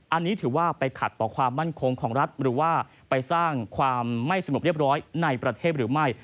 อันนี้ถือว่าไปขัดต่อความมั่นคงของรัฐหรือว่าไปสร้างความไม่สงบเรียบร้อยในประเทศหรือไม่